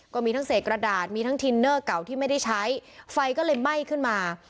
ก็มีทั้งเศษกระดาษมีทั้งทินเนอร์เก่าที่ไม่ได้ใช้ไฟก็เลยไหม้ขึ้นมา